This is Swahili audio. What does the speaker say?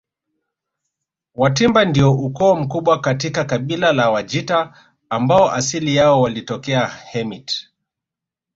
Watimba ndio ukoo mkubwa katika kabila la Wajita ambao asili yao walitokea Hemit